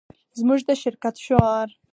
زموږ د شرکت شعار